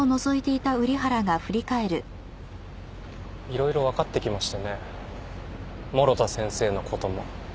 色々分かってきましてね諸田先生のことも。